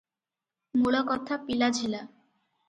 ମୂଳକଥା ପିଲାଝିଲା ।